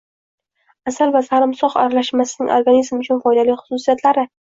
Asal va sarimsoq aralashmasining organizm uchun foydali xususiyatlari